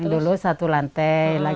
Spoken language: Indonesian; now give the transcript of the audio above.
dulu satu lantai ya